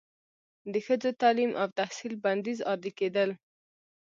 د ښځو تعلیم او تحصیل بندیز عادي کیدل